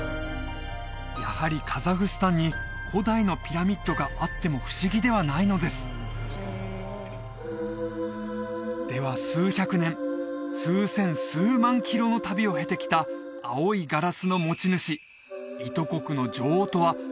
やはりカザフスタンに古代のピラミッドがあっても不思議ではないのですでは数百年数千数万キロの旅を経てきた青いガラスの持ち主伊都国の女王とはどんな人物だったのでしょうか？